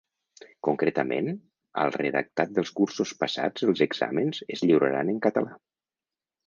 Concretament, al redactat dels cursos passats Els exàmens es lliuraran en català.